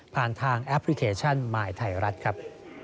ผ่านทางแอปพลิเคชันหมายไถรัฐครับ